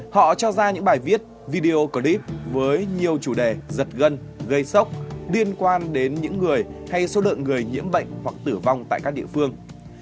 họ cho ra những bài viết video clip với nhiều chủ đề giật gân gây sốc liên quan đến những người hay số lượng người nhiễm bệnh hoặc tử vong tại các địa phương